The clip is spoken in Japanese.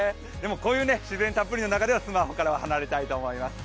こういう自然たっぷりの中ではスマホから離れたいと思います。